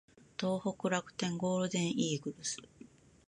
東北楽天ゴールデンイーグルス